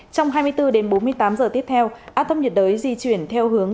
trong hai mươi bốn đến bốn mươi tám giờ tiếp theo áp thấp nhiệt đới di chuyển theo hướng